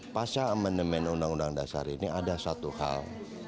pasal amandaman undang undang dasar ini ada satu hal